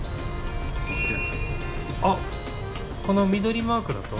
この緑マークだと？